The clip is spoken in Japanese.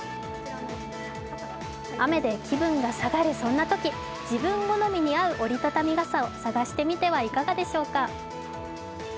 雨で気分が下がるそんなとき、自分好みに合う折り畳み傘を探してみてはいかがでしょうか。